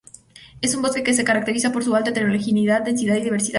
Es un bosque que se caracteriza por su alta heterogeneidad, densidad y diversidad.